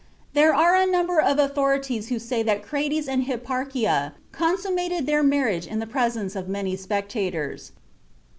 There are a number of authorities who say that Crates and Hipparchia consummated their marriage in the presence of many spectators.